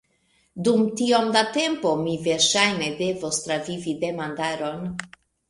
Dum tiom da tempo, mi verŝajne devos travivi demandaron.